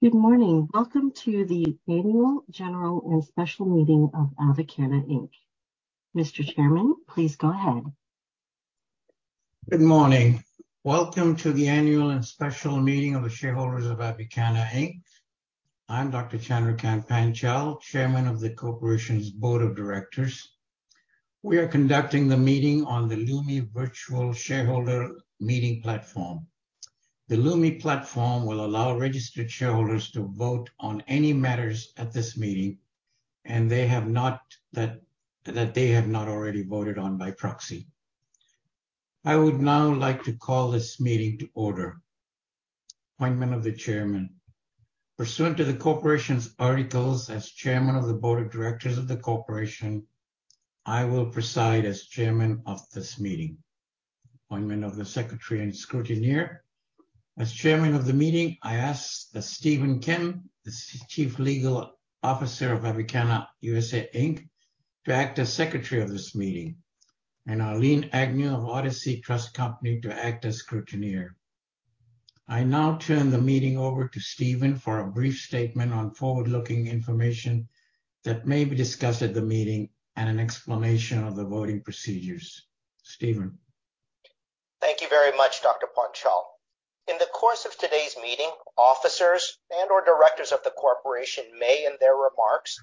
Good morning. Welcome to the annual general and special meeting of Avicanna Inc. Mr. Chairman, please go ahead. Good morning. Welcome to the annual and special meeting of the shareholders of Avicanna Inc. I'm Dr. Chandrakant Panchal, Chairman of the Corporation's Board of Directors. We are conducting the meeting on the Lumi virtual shareholder meeting platform. The Lumi platform will allow registered shareholders to vote on any matters at this meeting that they have not already voted on by proxy. I would now like to call this meeting to order. Appointment of the chairman. Pursuant to the corporation's articles, as chairman of the board of directors of the corporation, I will preside as chairman of this meeting. Appointment of the secretary and scrutineer. As Chairman of the meeting, I ask that Stephen Kim, the Chief Legal Officer of Avicanna USA Inc., to act as secretary of this meeting, and Arlene Agnew of Odyssey Trust Company to act as scrutineer. I now turn the meeting over to Stephen for a brief statement on forward-looking information that may be discussed at the meeting and an explanation of the voting procedures. Stephen. Thank you very much, Dr. Panchal. In the course of today's meeting, officers and/or directors of the corporation may, in their remarks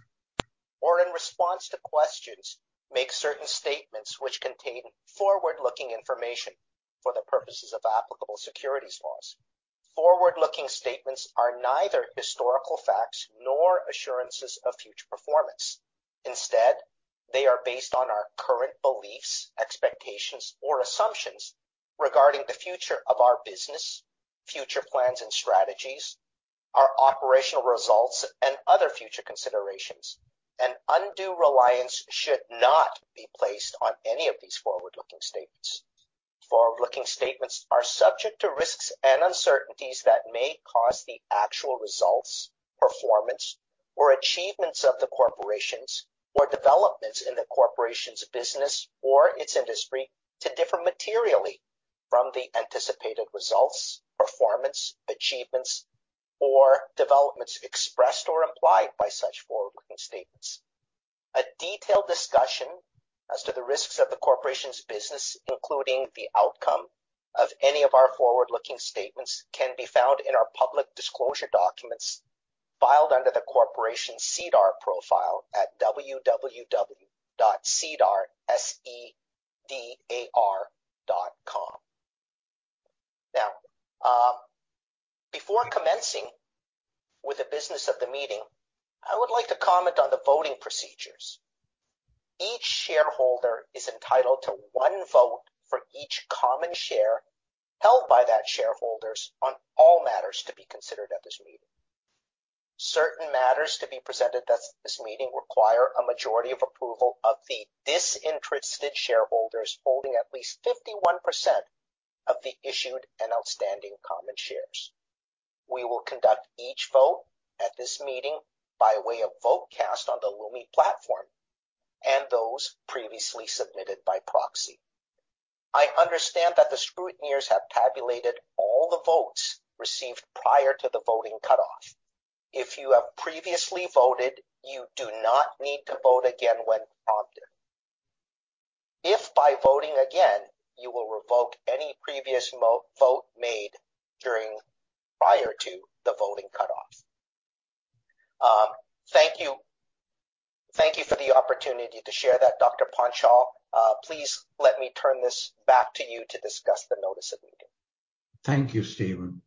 or in response to questions, make certain statements which contain forward-looking information for the purposes of applicable securities laws. Forward-looking statements are neither historical facts nor assurances of future performance. Instead, they are based on our current beliefs, expectations, or assumptions regarding the future of our business, future plans and strategies, our operational results, and other future considerations. Undue reliance should not be placed on any of these forward-looking statements. Forward-looking statements are subject to risks and uncertainties that may cause the actual results, performance, or achievements of the corporations or developments in the corporation's business or its industry to differ materially from the anticipated results, performance, achievements, or developments expressed or implied by such forward-looking statements. A detailed discussion as to the risks of the corporation's business, including the outcome of any of our forward-looking statements, can be found in our public disclosure documents filed under the corporation's SEDAR profile at www.sedar, S-E-D-A-R, .com. Now, before commencing with the business of the meeting, I would like to comment on the voting procedures. Each shareholder is entitled to one vote for each one common share held by that shareholders on all matters to be considered at this meeting. Certain matters to be presented at this meeting require a majority of approval of the disinterested shareholders holding at least 51% of the issued and outstanding common shares. We will conduct each vote at this meeting by way of vote cast on the Lumi platform and those previously submitted by proxy. I understand that the scrutineers have tabulated all the votes received prior to the voting cutoff. If you have previously voted, you do not need to vote again when prompted. If by voting again, you will revoke any previous vote made prior to the voting cutoff. Thank you. Thank you for the opportunity to share that, Dr. Panchal. Please let me turn this back to you to discuss the notice of meeting. Thank you, Stephen.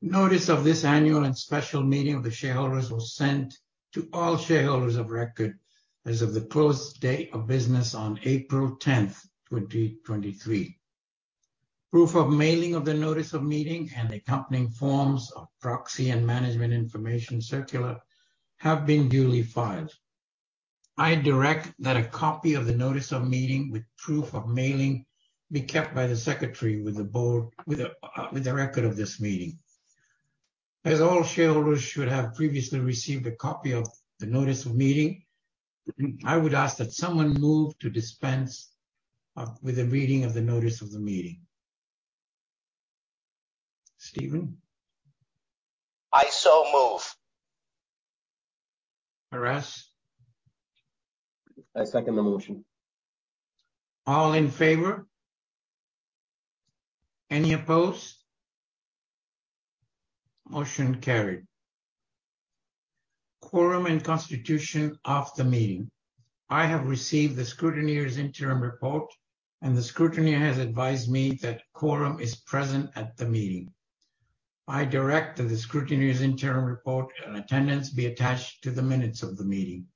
Notice of this annual and special meeting of the shareholders was sent to all shareholders of record as of the close day of business on April 10th, 2023. Proof of mailing of the notice of meeting and accompanying forms of proxy and management information circular have been duly filed. I direct that a copy of the notice of meeting with proof of mailing be kept by the secretary with the record of this meeting. All shareholders should have previously received a copy of the notice of meeting, I would ask that someone move to dispense with the reading of the notice of the meeting. Stephen? I so move. Aras? I second the motion. All in favor? Any opposed? Motion carried. Quorum and constitution of the meeting. I have received the scrutineer's interim report, and the scrutineer has advised me that quorum is present at the meeting. I direct that the scrutineer's interim report and attendance be attached to the minutes of the meeting.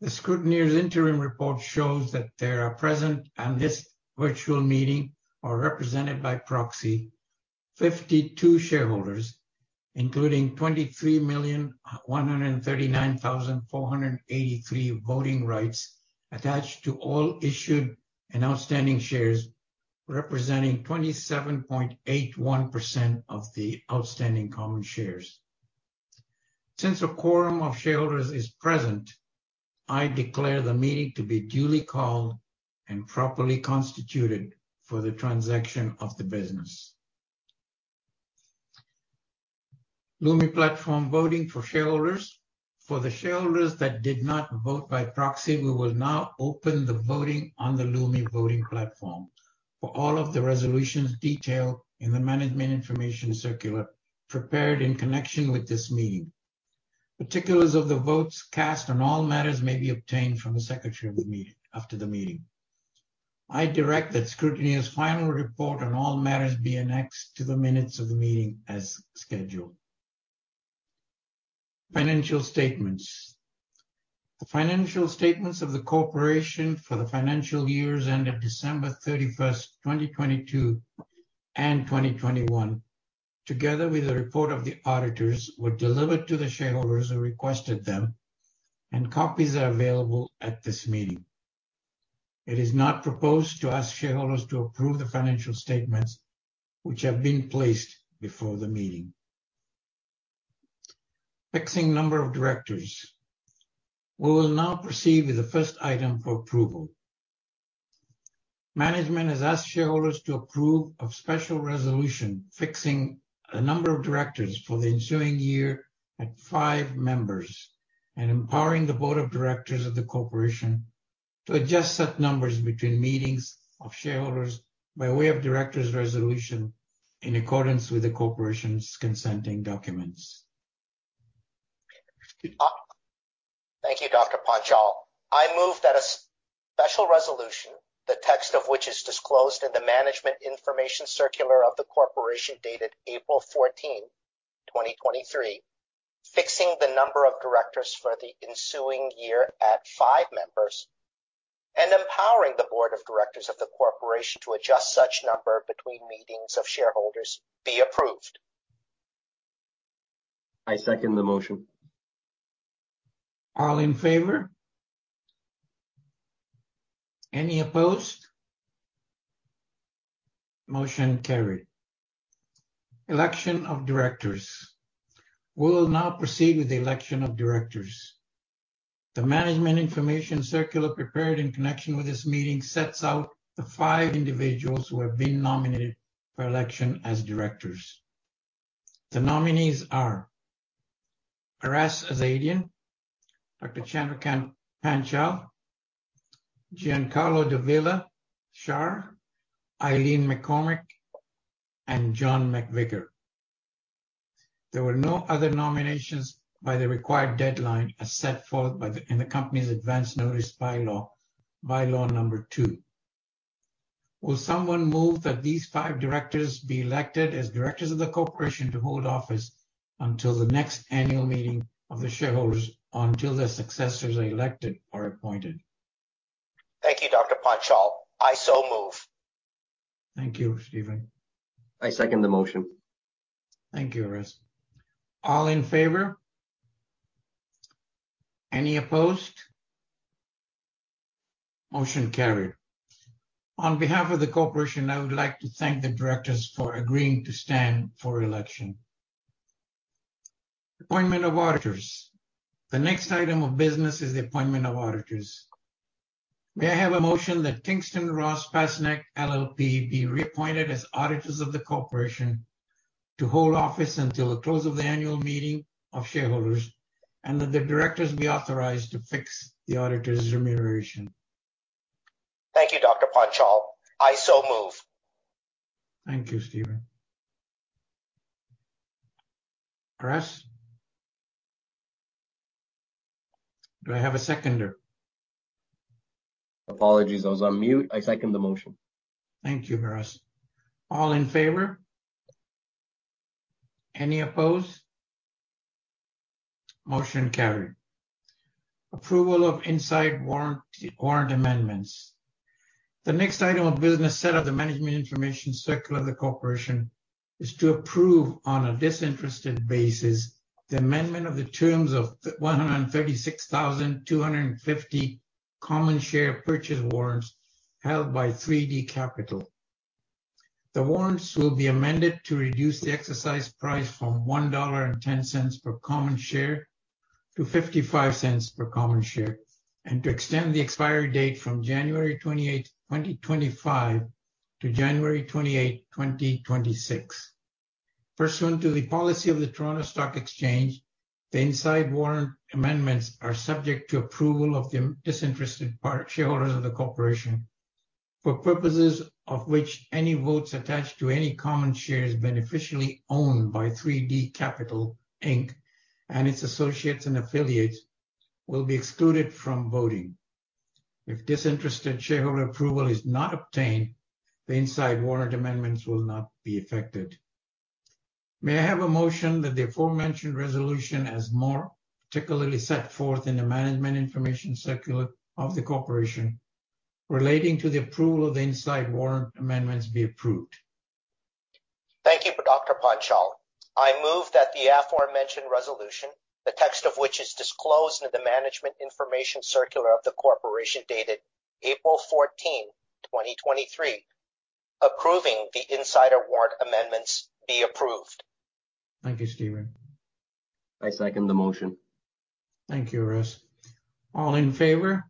The scrutineer's interim report shows that there are present on this virtual meeting or represented by proxy 52 shareholders, including 23,139,483 voting rights attached to all issued and outstanding shares, representing 27.81% of the outstanding common shares. Since a quorum of shareholders is present, I declare the meeting to be duly called and properly constituted for the transaction of the business. Lumi platform voting for shareholders. For the shareholders that did not vote by proxy, we will now open the voting on the Lumi voting platform for all of the resolutions detailed in the management information circular prepared in connection with this meeting. Particulars of the votes cast on all matters may be obtained from the secretary of the meeting after the meeting. I direct that scrutineer's final report on all matters be annexed to the minutes of the meeting as scheduled. Financial statements. The financial statements of the corporation for the financial years ended December 31st, 2022 and 2021, together with a report of the auditors, were delivered to the shareholders who requested them, and copies are available at this meeting. It is not proposed to ask shareholders to approve the financial statements which have been placed before the meeting. Fixing number of directors. We will now proceed with the first item for approval. Management has asked shareholders to approve of special resolution fixing a number of directors for the ensuing year at five members and empowering the board of directors of the corporation to adjust set numbers between meetings of shareholders by way of directors' resolution in accordance with the corporation's consenting documents. Thank you, Dr. Panchal. I move that a special resolution, the text of which is disclosed in the management information circular of the corporation dated April 14th, 2023, fixing the number of directors for the ensuing year at five members and empowering the board of directors of the corporation to adjust such number between meetings of shareholders be approved. I second the motion. All in favor? Any opposed? Motion carried. Election of directors. We will now proceed with the election of directors. The management information circular prepared in connection with this meeting sets out the five individuals who have been nominated for election as directors. The nominees are Aras Azadian, Dr. Chandrakant Panchal, Giancarlo Davila Char, Eileen McCormack, and John McVicar. There were no other nominations by the required deadline as set forth in the company's advanced notice bylaw number two. Will someone move that these five directors be elected as directors of the corporation to hold office until the next annual meeting of the shareholders or until their successors are elected or appointed? Thank you, Dr. Panchal. I so move. Thank you, Stephen. I second the motion. Thank you, Aras. All in favor? Any opposed? Motion carried. On behalf of the corporation, I would like to thank the directors for agreeing to stand for election. Appointment of auditors. The next item of business is the appointment of auditors. May I have a motion that Kingston Ross Pasnak LLP be reappointed as auditors of the corporation to hold office until the close of the annual meeting of shareholders, and that the directors be authorized to fix the auditors' remuneration. Thank you, Dr. Panchal. I so move. Thank you, Stephen. Aras? Do I have a seconder? Apologies, I was on mute. I second the motion. Thank you, Aras. All in favor? Any opposed? Motion carried. Approval of inside warrant amendments. The next item of business set up the management information circular of the corporation is to approve, on a disinterested basis, the amendment of the terms of 136,250 common share purchase warrants held by ThreeD Capital. The warrants will be amended to reduce the exercise price from 1.10 dollar per common share to 0.55 per common share, and to extend the expiry date from January 28, 2025 to January 28, 2026. Pursuant to the policy of the Toronto Stock Exchange, the inside warrant amendments are subject to approval of the disinterested shareholders of the corporation, for purposes of which any votes attached to any common shares beneficially owned by ThreeD Capital Inc. Its associates and affiliates will be excluded from voting. If disinterested shareholder approval is not obtained, the inside warrant amendments will not be affected. May I have a motion that the aforementioned resolution, as more particularly set forth in the management information circular of the corporation relating to the approval of the inside warrant amendments, be approved. Thank you, Dr. Panchal. I move that the aforementioned resolution, the text of which is disclosed in the management information circular of the corporation dated April fourteenth, 2023, Approving the insider warrant amendments be approved. Thank you, Stephen. I second the motion. Thank you, Aras. All in favor?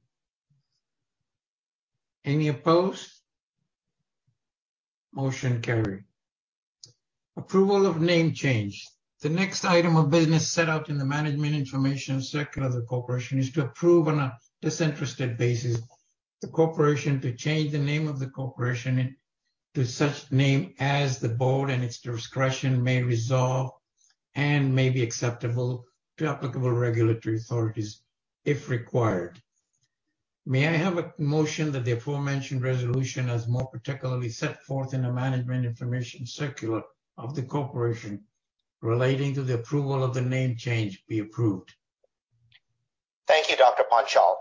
Any opposed? Motion carried. Approval of name change. The next item of business set out in the management information circular of the corporation is to approve on a disinterested basis the corporation to change the name of the corporation in, to such name as the board and its discretion may resolve and may be acceptable to applicable regulatory authorities if required. May I have a motion that the aforementioned resolution, as more particularly set forth in the management information circular of the corporation relating to the approval of the name change be approved. Thank you, Dr. Panchal.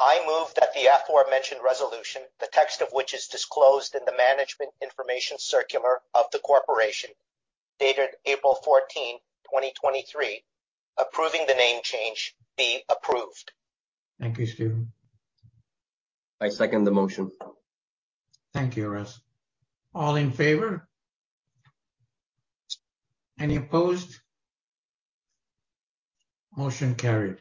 I move that the aforementioned resolution, the text of which is disclosed in the management information circular of the corporation, dated April 14th, 2023, approving the name change be approved. Thank you, Stephen. I second the motion. Thank you, Aras. All in favor? Any opposed? Motion carried.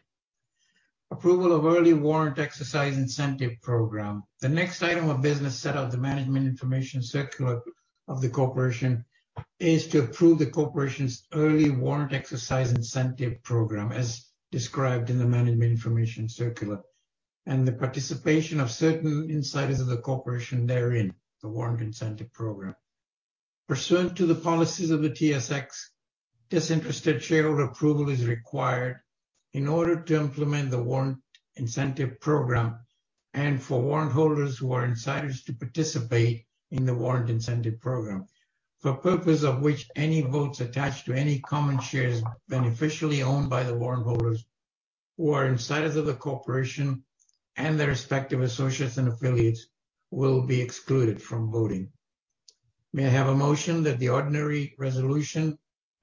Approval of Early Warrant Exercise Incentive Program. The next item of business set out the management information circular of the corporation is to approve the corporation's Early Warrant Exercise Incentive Program, as described in the management information circular, and the participation of certain insiders of the corporation therein the Warrant Incentive Program. Pursuant to the policies of the TSX, disinterested shareholder approval is required in order to implement the Warrant Incentive Program and for warrant holders who are insiders to participate in the Warrant Incentive Program. For purpose of which any votes attached to any common shares beneficially owned by the warrant holders who are insiders of the corporation and their respective associates and affiliates will be excluded from voting. May I have a motion that the ordinary resolution,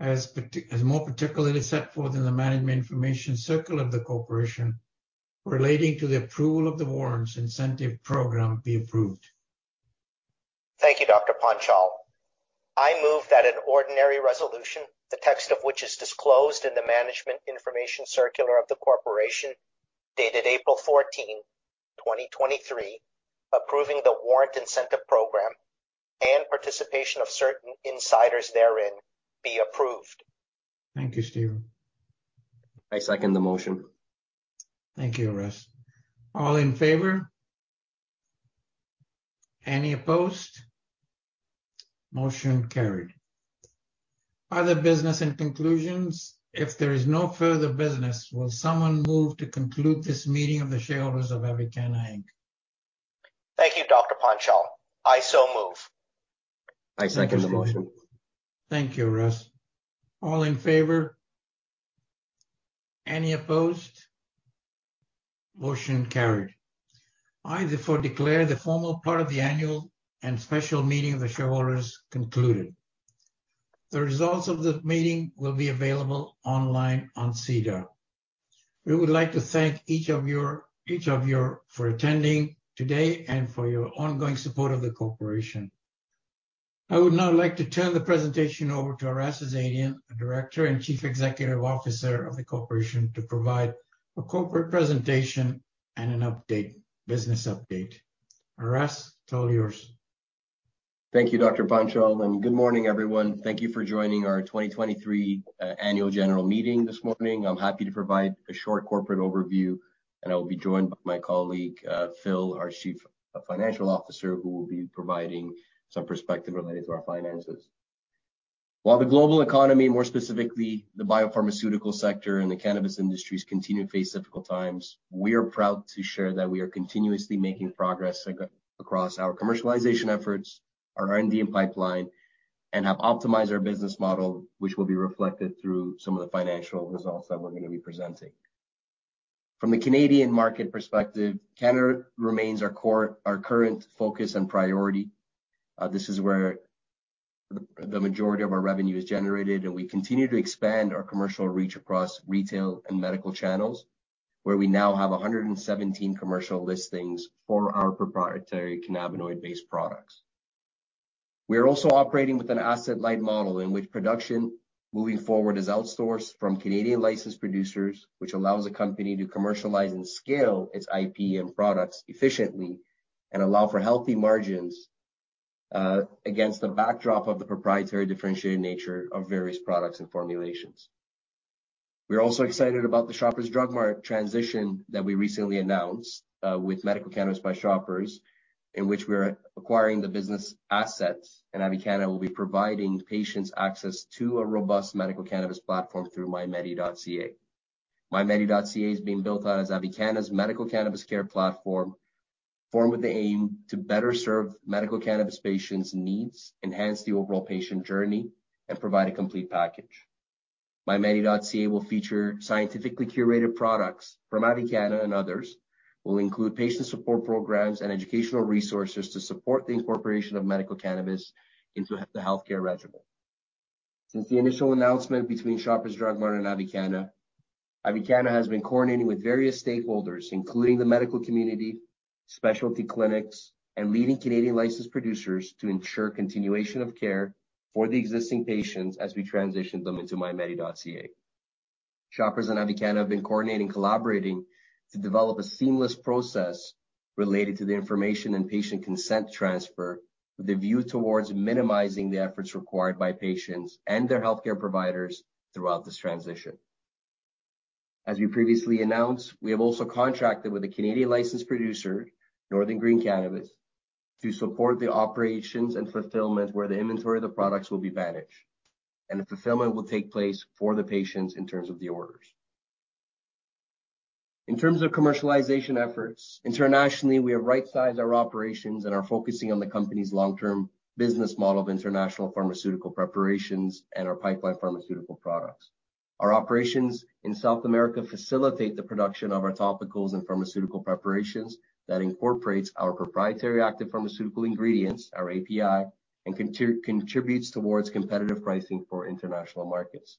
as more particularly set forth in the management information circular of the corporation relating to the approval of the warrants incentive program be approved. Thank you, Dr. Panchal. I move that an ordinary resolution, the text of which is disclosed in the management information circular of the corporation, dated April 14th, 2023, approving the warrant incentive program and participation of certain insiders therein be approved. Thank you, Stephen. I second the motion. Thank you, Aras. All in favor? Any opposed? Motion carried. Other business and conclusions. If there is no further business, will someone move to conclude this meeting of the shareholders of Avicanna Inc? Thank you, Dr. Panchal. I so move. Thank you, Stephen. I second the motion. Thank you, Aras. All in favor? Any opposed? Motion carried. I therefore declare the formal part of the annual and special meeting of the shareholders concluded. The results of the meeting will be available online on SEDAR. We would like to thank each of you for attending today and for your ongoing support of the corporation. I would now like to turn the presentation over to Aras Azadian, a Director and Chief Executive Officer of the corporation, to provide a corporate presentation and an update, business update. Aras, it's all yours. Thank you, Dr. Panchal. Good morning, everyone. Thank you for joining our 2023 annual general meeting this morning. I'm happy to provide a short corporate overview. I will be joined by my colleague, Phil, our Chief Financial Officer, who will be providing some perspective related to our finances. While the global economy, more specifically the biopharmaceutical sector and the cannabis industries, continue to face difficult times, we are proud to share that we are continuously making progress across our commercialization efforts, our R&D pipeline, and have optimized our business model, which will be reflected through some of the financial results that we're gonna be presenting. From the Canadian market perspective, Canada remains our current focus and priority. This is where the majority of our revenue is generated, and we continue to expand our commercial reach across retail and medical channels, where we now have 117 commercial listings for our proprietary cannabinoid-based products. We are also operating with an asset-light model in which production moving forward is outsourced from Canadian licensed producers, which allows the company to commercialize and scale its IP and products efficiently and allow for healthy margins against the backdrop of the proprietary differentiated nature of various products and formulations. We're also excited about the Shoppers Drug Mart transition that we recently announced with Medical Cannabis by Shoppers, in which we're acquiring the business assets, and Avicanna will be providing patients access to a robust medical cannabis platform through MyMedi.ca. MyMedi.ca is being built out as Avicanna's medical cannabis care platform, formed with the aim to better serve medical cannabis patients' needs, enhance the overall patient journey, and provide a complete package. MyMedi.ca will feature scientifically curated products from Avicanna and others. We'll include patient support programs and educational resources to support the incorporation of medical cannabis into the healthcare regimen. Since the initial announcement between Shoppers Drug Mart and Avicanna has been coordinating with various stakeholders, including the medical community, specialty clinics, and leading Canadian licensed producers to ensure continuation of care for the existing patients as we transition them into MyMedi.ca. Shoppers and Avicanna have been coordinating, collaborating to develop a seamless process related to the information and patient consent transfer with the view towards minimizing the efforts required by patients and their healthcare providers throughout this transition. As we previously announced, we have also contracted with a Canadian licensed producer, Northern Green Canada, to support the operations and fulfillment where the inventory of the products will be managed. The fulfillment will take place for the patients in terms of the orders. In terms of commercialization efforts, internationally, we have rightsized our operations and are focusing on the company's long-term business model of international pharmaceutical preparations and our pipeline pharmaceutical products. Our operations in South America facilitate the production of our topicals and pharmaceutical preparations that incorporates our proprietary active pharmaceutical ingredients, our API, and contributes towards competitive pricing for international markets.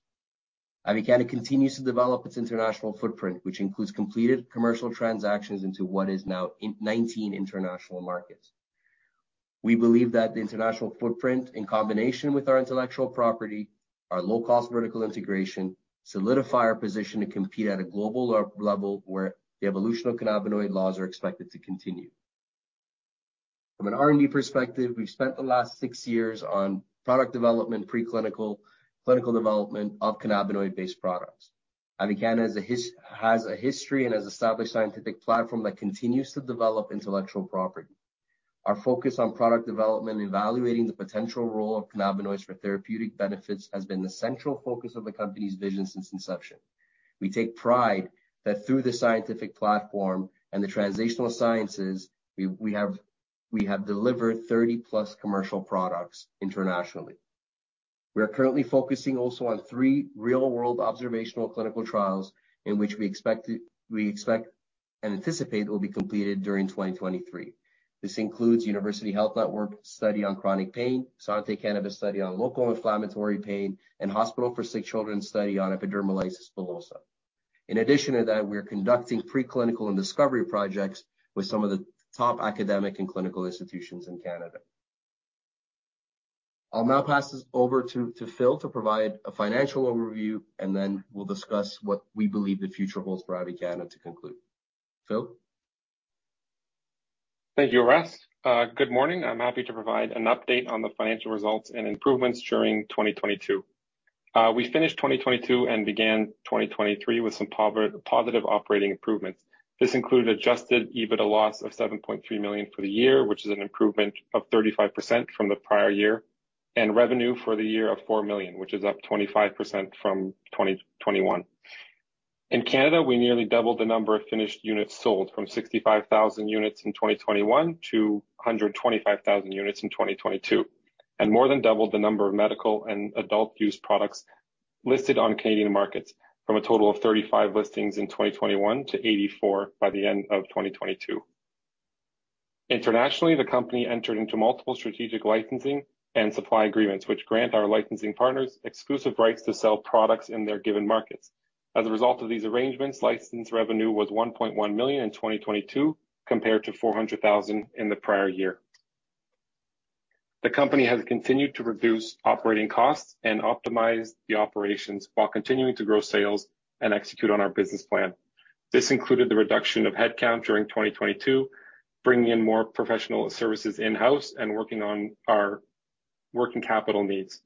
Avicanna continues to develop its international footprint, which includes completed commercial transactions into what is now in 19 international markets. We believe that the international footprint, in combination with our intellectual property, our low-cost vertical integration, solidify our position to compete at a global or level where the evolution of cannabinoid laws are expected to continue. From an R&D perspective, we've spent the last six years on product development, preclinical, clinical development of cannabinoid-based products. Avicanna has a history and has established scientific platform that continues to develop intellectual property. Our focus on product development, evaluating the potential role of cannabinoids for therapeutic benefits, has been the central focus of the company's vision since inception. We take pride that through the scientific platform and the translational sciences, we have delivered 30+ commercial products internationally. We are currently focusing also on three real-world observational clinical trials in which we expect and anticipate will be completed during 2023. This includes University Health Network study on chronic pain, Santé Cannabis study on local inflammatory pain, and Hospital for Sick Children study on epidermolysis bullosa. In addition to that, we are conducting preclinical and discovery projects with some of the top academic and clinical institutions in Canada. I'll now pass this over to Phil to provide a financial overview, and then we'll discuss what we believe the future holds for Avicanna to conclude. Phil? Thank you, Aras. Good morning. I'm happy to provide an update on the financial results and improvements during 2022. We finished 2022 and began 2023 with some povert-positive operating improvements. This included adjusted EBITDA loss of 7.3 million for the year, which is an improvement of 35% from the prior year, and revenue for the year of 4 million, which is up 25% from 2021. In Canada, we nearly doubled the number of finished units sold from 65,000 units in 2021 to 125,000 units in 2022, and more than doubled the number of medical and adult use products listed on Canadian markets from a total of 35 listings in 2021 to 84 by the end of 2022. Internationally, the company entered into multiple strategic licensing and supply agreements, which grant our licensing partners exclusive rights to sell products in their given markets. As a result of these arrangements, license revenue was 1.1 million in 2022, compared to 400,000 in the prior year. The company has continued to reduce operating costs and optimize the operations while continuing to grow sales and execute on our business plan. This included the reduction of headcount during 2022, bringing in more professional services in-house and working on our working capital needs.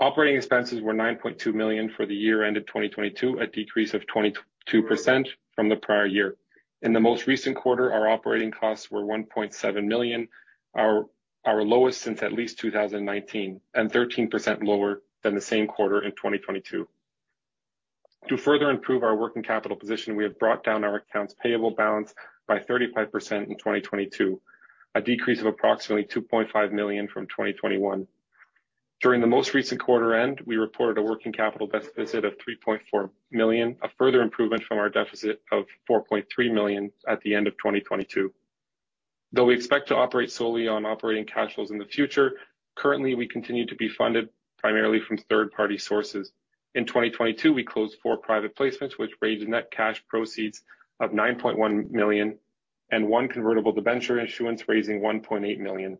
Operating expenses were 9.2 million for the year end of 2022, a decrease of 22% from the prior year. In the most recent quarter, our operating costs were 1.7 million, our lowest since at least 2019, and 13% lower than the same quarter in 2022. To further improve our working capital position, we have brought down our accounts payable balance by 35% in 2022, a decrease of approximately 2.5 million from 2021. During the most recent quarter end, we reported a working capital deficit of 3.4 million, a further improvement from our deficit of 4.3 million at the end of 2022. Though we expect to operate solely on operating cash flows in the future, currently we continue to be funded primarily from third-party sources. In 2022, we closed four private placements, which raised net cash proceeds of 9.1 million and one convertible debenture issuance raising 1.8 million.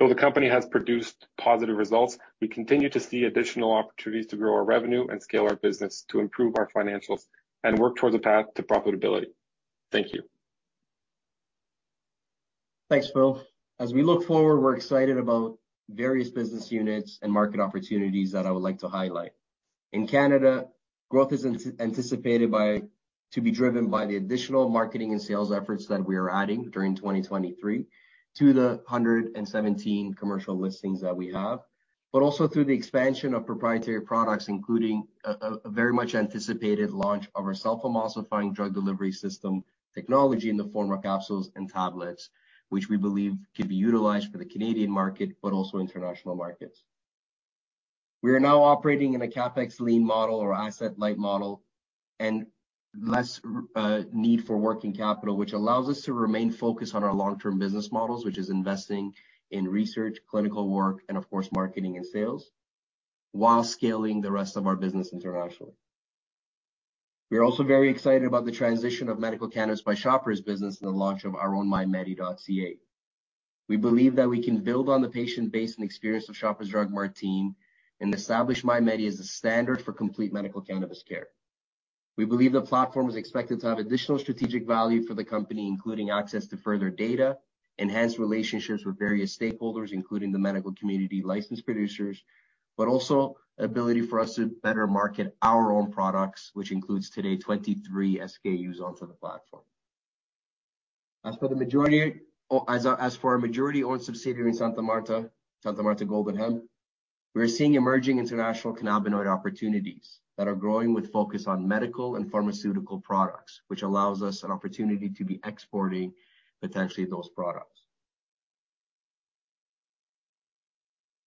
Though the company has produced positive results, we continue to see additional opportunities to grow our revenue and scale our business to improve our financials and work towards a path to profitability. Thank you. Thanks, Phil. As we look forward, we're excited about various business units and market opportunities that I would like to highlight. In Canada, growth is anticipated to be driven by the additional marketing and sales efforts that we are adding during 2023 to the 117 commercial listings that we have. Also through the expansion of proprietary products, including a very much anticipated launch of our self-emulsifying drug delivery system technology in the form of capsules and tablets, which we believe can be utilized for the Canadian market but also international markets. We are now operating in a CapEx lean model or asset light model and less need for working capital, which allows us to remain focused on our long-term business models. Which is investing in research, clinical work, and of course, marketing and sales, while scaling the rest of our business internationally. We are also very excited about the transition of Medical Cannabis by Shoppers business and the launch of our own MyMedi.ca. We believe that we can build on the patient base and experience of Shoppers Drug Mart team and establish MyMedi as a standard for complete medical cannabis care. We believe the platform is expected to have additional strategic value for the company, including access to further data, enhanced relationships with various stakeholders, including the medical community licensed producers, but also ability for us to better market our own products, which includes today 23 SKUs onto the platform. As for our majority-owned subsidiary in Santa Marta, Santa Marta Golden Hemp, we're seeing emerging international cannabinoid opportunities that are growing with focus on medical and pharmaceutical products, which allows us an opportunity to be exporting potentially those products.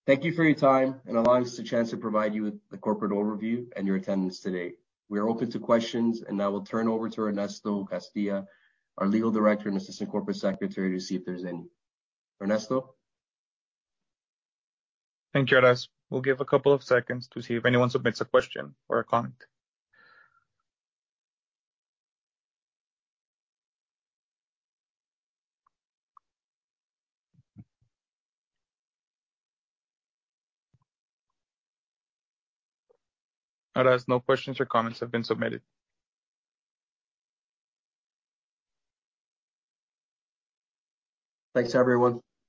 Thank you for your time and allowing us the chance to provide you with the corporate overview and your attendance today. We are open to questions. I will turn over to Ernesto Castilla, our Legal Director and Assistant Corporate Secretary, to see if there's any. Ernesto? Thank you, Aras. We'll give a couple of seconds to see if anyone submits a question or a comment. Aras, no questions or comments have been submitted. Thanks, everyone.